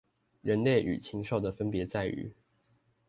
人類與禽獸的分別在於